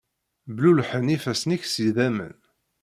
Blulḥen ifassen-ik seg idammen.